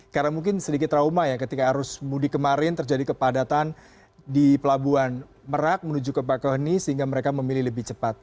karena mungkin sedikit trauma ya ketika arus mudik kemarin terjadi kepadatan di pelabuhan merak menuju ke pakohni sehingga mereka memilih lebih cepat